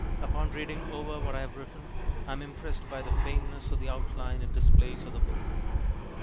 Upon reading over what I have written I am impressed by the faintness of the outline it displays of the book.